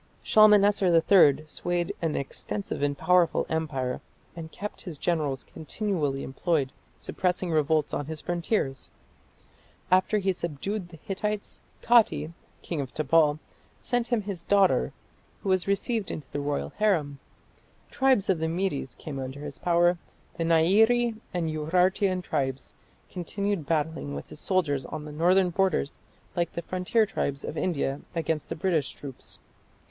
Shalmaneser III swayed an extensive and powerful empire, and kept his generals continually employed suppressing revolts on his frontiers. After he subdued the Hittites, Kati, king of Tabal, sent him his daughter, who was received into the royal harem. Tribes of the Medes came under his power: the Nairi and Urartian tribes continued battling with his soldiers on his northern borders like the frontier tribes of India against the British troops.